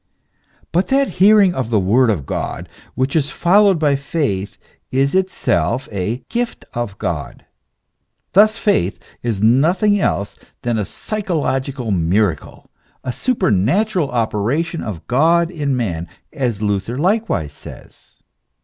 "* But that hearing of the word of God, which is followed by faith, is itself a " gift of God." Thus faith is nothing else than a psychological miracle, a supernatural operation of God in man, as Luther likewise says.